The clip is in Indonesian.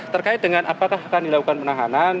terkait dengan apakah akan dilakukan penahanan